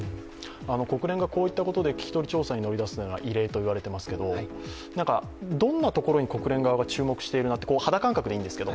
国連がこういったことで聞き取り調査に乗り出すのは異例といわれていますが、どんなところに国連側が注目しているなと、肌感覚でいいんですが、